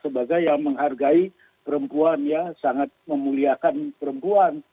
sebagai yang menghargai perempuan ya sangat memuliakan perempuan